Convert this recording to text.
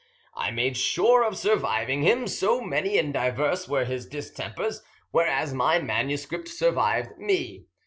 I made sure of surviving him, so many and diverse were his distempers; whereas my manuscript survived me.